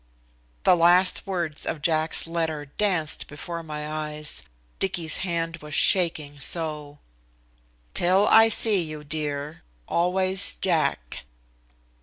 The last words of Jack's letter danced before my eyes, Dicky's hand was shaking so. "Till I see you, dear. Always Jack."